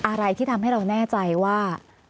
อะไรที่ทำให้เราแน่ใจว่า